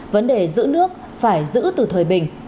vấn đề giữ nước phải giữ từ thời bình